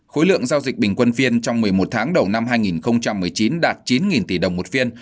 khối lượng giao dịch bình quân phiên trong một mươi một tháng đầu năm hai nghìn một mươi chín đạt chín tỷ đồng một phiên